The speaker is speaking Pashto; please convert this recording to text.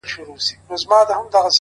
ستا د سونډو د خندا په خاليگاه كـي _